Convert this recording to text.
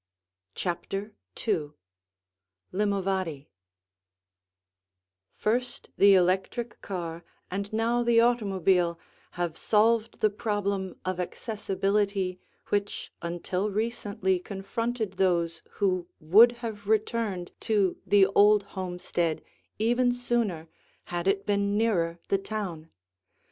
CHAPTER II LIMOVADY First the electric car and now the automobile have solved the problem of accessibility which until recently confronted those who would have returned to the old homestead even sooner, had it been nearer the town.